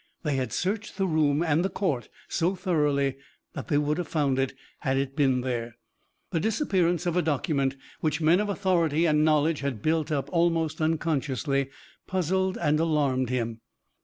They had searched the room and the court so thoroughly that they would have found it, had it been there. The disappearance of a document, which men of authority and knowledge had built up almost unconsciously, puzzled and alarmed him.